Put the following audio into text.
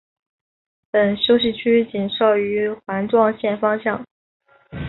本休息区仅设于环状线方向。